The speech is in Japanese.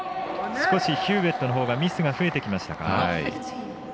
少しヒューウェットのほうがミスが増えてきましたか。